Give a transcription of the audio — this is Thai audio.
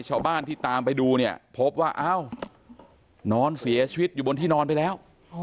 ชาวบ้านที่ตามไปดูเนี่ยพบว่าอ้าวนอนเสียชีวิตอยู่บนที่นอนไปแล้ว